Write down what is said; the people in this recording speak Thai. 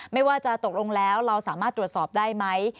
ไม่ว่าจะตกลงแล้วเราสามารถตรวจสอบได้ไหม